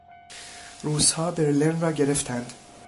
روسها برلن را گرفتند.